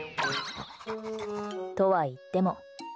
とはいっても。